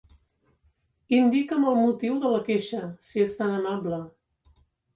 Indica'm el motiu de la queixa, si ets tan amable.